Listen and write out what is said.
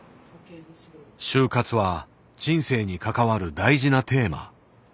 「終活」は人生に関わる大事なテーマ。